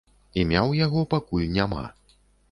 Імя ў яго пакуль няма.